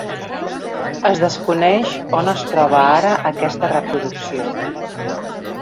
Es desconeix on es troba ara aquesta reproducció.